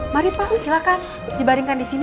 mari pak silahkan dibaringkan disini